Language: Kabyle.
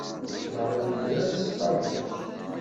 Kkreɣ i wedrar s tqabact.